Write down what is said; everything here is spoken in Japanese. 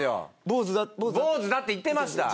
坊主だって言ってました。